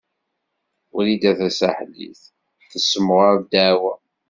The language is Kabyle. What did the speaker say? Wrida Tasaḥlit tessemɣer ddeɛwa.